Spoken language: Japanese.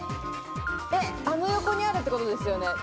あの横にあるってことですよね？